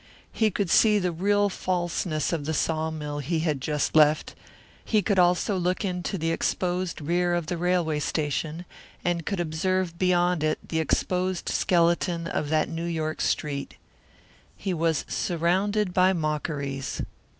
He could see the real falseness of the sawmill he had just left, he could also look into the exposed rear of the railway station, and could observe beyond it the exposed skeleton of that New York street. He was surrounded by mockeries.